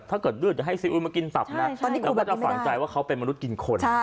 ถ้าเกิดดืดเดี๋ยวให้ซีอุยมากินตับนะแล้วก็จะฝังใจว่าเขาเป็นมนุษย์กินคน